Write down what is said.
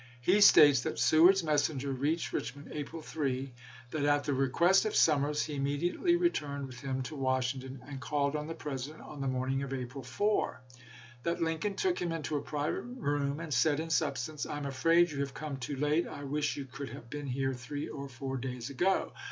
He states that Seward's messenger reached Richmond April 3 ; that at the lsei. request of Summers he immediately returned with him to Washington and called on the President on the morning of April 4 ; that Lincoln took him into a private room and said, in substance : "lam afraid you have come too late ; I wish you could have been here three or four days ago.